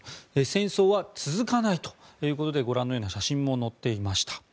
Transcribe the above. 戦争は続かないということでご覧のような写真も載っていました。